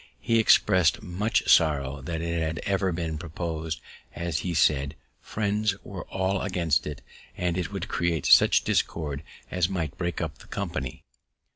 He expressed much sorrow that it had ever been propos'd, as he said Friends were all against it, and it would create such discord as might break up the company.